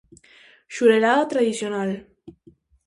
Xurelada tradicional.